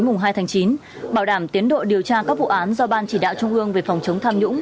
mùng hai tháng chín bảo đảm tiến độ điều tra các vụ án do ban chỉ đạo trung ương về phòng chống tham nhũng